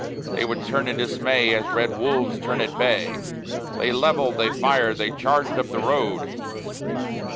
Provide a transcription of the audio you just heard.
They would turn in dismay, as red wolves turn at bay. They levelled, they fired, they charged up the road.